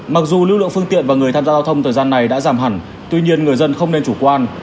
mặc dù lưu lượng phương tiện và người tham gia giao thông thời gian này đã giảm hẳn tuy nhiên người dân không nên chủ quan